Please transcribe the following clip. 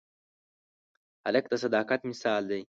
هلک د صداقت مثال دی.